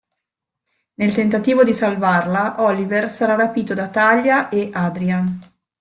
Nel tentativo di salvarla, Oliver sarà rapito da Talia e Adrian.